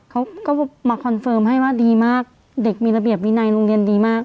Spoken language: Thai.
เขาก็มาคอนเฟิร์มให้ว่าดีมากเด็กมีระเบียบวินัยโรงเรียนดีมาก